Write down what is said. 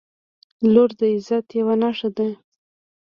• لور د عزت یوه نښه ده.